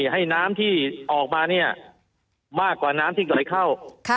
ให้น้ำที่ออกมาเนี่ยมากกว่าน้ำที่ไหลเข้า